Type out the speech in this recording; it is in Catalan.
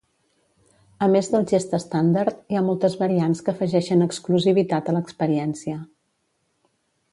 A més del gest estàndard, hi ha moltes variants que afegeixen exclusivitat a l'experiència.